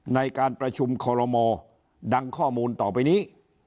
ในการประชุมคอรมอดังข้อมูลต่อไปนี้